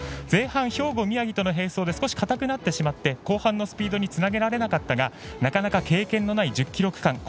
前半、兵庫、宮城との並走で少し硬くなってしまって後半のスピードにつなげられなかったがなかなか経験のない１０ｋｍ区間